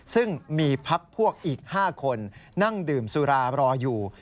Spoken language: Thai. ซึ่งมีพักพวกอีก๕คนนั่งดื่มสุรารออยู่